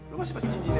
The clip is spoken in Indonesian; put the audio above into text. lo masih pake cincinnya